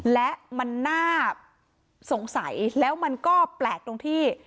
และมันน่าสงสัยแล้วมันก็แปลกตรงที่